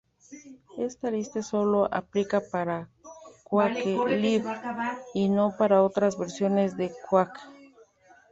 Esta lista solo aplica para Quake Live y no para otras versiones de Quake.